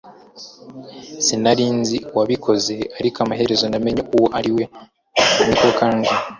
Sinari nzi uwabikoze ariko amaherezo namenye uwo ari we (NekoKanjya)